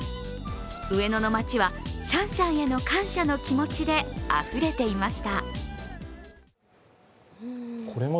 上野の街はシャンシャンへの感謝の気持ちであふれていました。